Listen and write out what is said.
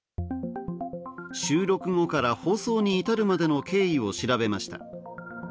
収録後から放送に至るまでの経緯を調べました。